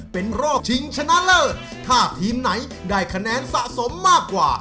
เป็นรอบชิงชนะเลิศถ้าทีมไหนได้คะแนนสะสมมากกว่า